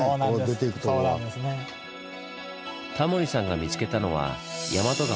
タモリさんが見つけたのは大和川。